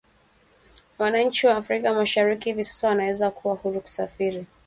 Wananchi wa Afrika Mashariki hivi sasa wanaweza kuwa huru kusafiri